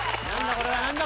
これは何だ？